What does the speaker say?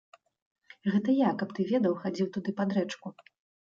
Гэта я, каб ты ведаў, хадзіў туды пад рэчку.